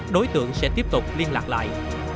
đối tượng sẽ tiếp tục liên lạc lại